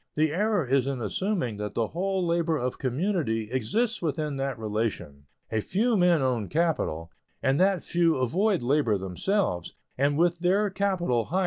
The error is in assuming that the whole labor of community exists within that relation. A few men own capital, and that few avoid labor themselves, and with their capital hire or buy another few to labor for them.